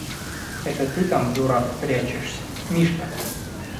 – Это ты там, дурак, прячешься? – Мишка!